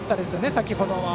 先ほどは。